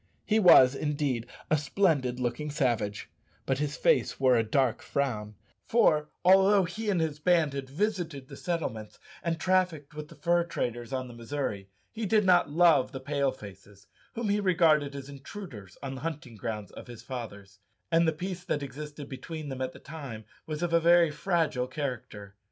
He was, indeed, a splendid looking savage, but his face wore a dark frown, for, although he and his band had visited the settlements and trafficked with the fur traders on the Missouri, he did not love the "Pale faces," whom he regarded as intruders on the hunting grounds of his fathers, and the peace that existed between them at that time was of a very fragile character.